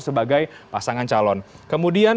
sebagai pasangan calon kemudian